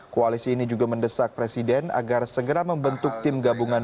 koalisi ini juga mendesak presiden agar segera membentuk tim gabungan